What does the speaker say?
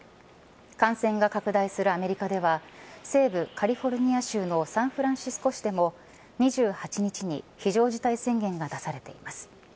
感染が拡大するアメリカでは西部カリフォルニア州のサンフランシスコ市でも２８日に非常事態宣言が出されています。